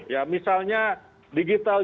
ya misalnya digital